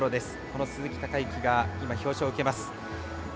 この鈴木孝幸が今表彰を受けます。